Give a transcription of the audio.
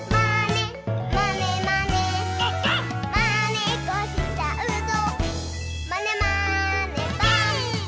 「まねっこしちゃうぞまねまねぽん！」